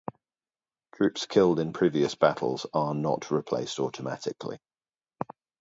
Troops killed in previous battles are not replaced automatically.